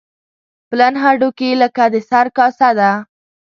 پلن هډوکي لکه د سر کاسه ده.